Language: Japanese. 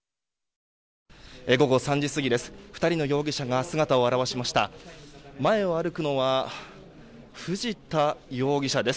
午後３時過ぎです。